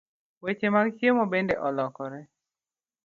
Weche mag chiemo bende olokore.